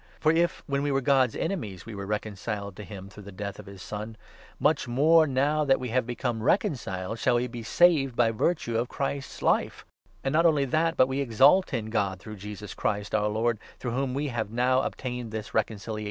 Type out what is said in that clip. For if, when we were God's enemies, we were recon 10 ciled to him through the death of his Son, much more, now that we have become reconciled, shall we be saved by virtue of Christ's Life. And not only that, but we exult in God, n through Jesus Christ, our Lord, through whom we have now obtained this reconciliation. A8 Gen. 15. 5; 17. 5. 22— » Gen. 15. 6. 25 \s^ ^ 12 (Septuagint). 5 Ps.